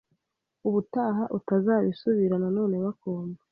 ubutaha utazabisubira nanone bakumva